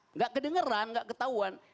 enggak kedengeran enggak ketahuan